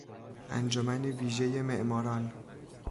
انجمن ویژهی معماران